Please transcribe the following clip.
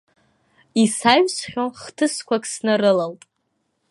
Исаҩсхьоу хҭысқәак снарылалт.